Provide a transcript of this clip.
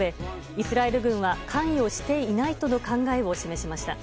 イスラエル軍は関与していないとの考えを示しました。